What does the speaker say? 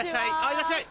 いらっしゃい。